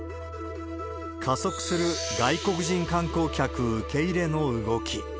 加速する外国人観光客受け入れの動き。